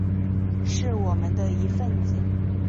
是我们的一分子